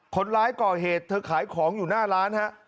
คนร้ายก่อเหตุเธอขายของอยู่หน้าร้านฮะ